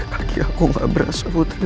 kaki aku gak berasa putri